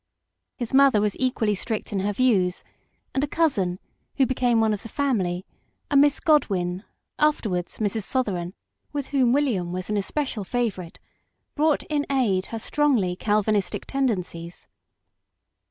His mother was equally strict in her views ; and a cousin, who became one of the family a Miss Godwin, afterwards Mrs. Sotheran, with whom William was an especial favourite brought in aid her strongly Calvinistic tendencies.